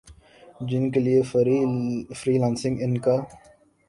جن کے لیے فری لانسنگ ان کا